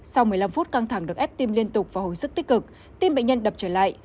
sau một mươi năm phút căng thẳng được ép tim liên tục và hồi sức tích cực tim bệnh nhân đập trở lại